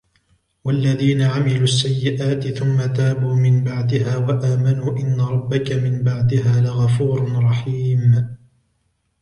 وَالَّذِينَ عَمِلُوا السَّيِّئَاتِ ثُمَّ تَابُوا مِنْ بَعْدِهَا وَآمَنُوا إِنَّ رَبَّكَ مِنْ بَعْدِهَا لَغَفُورٌ رَحِيمٌ